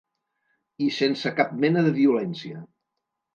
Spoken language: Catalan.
I sense cap mena de violència.